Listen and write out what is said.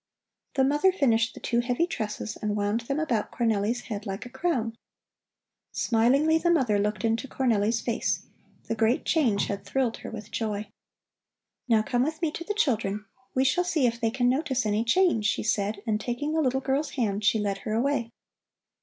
The mother finished the two heavy tresses and wound them about Cornelli's head like a crown. Smilingly the mother looked into Cornelli's face. The great change had thrilled her with joy. "Now come with me to the children. We shall see if they can notice any change," she said, and taking the little girl's hand, she led her away.